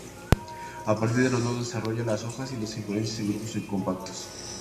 A partir de los nudos desarrolla las hojas y las inflorescencias en grupos compactos.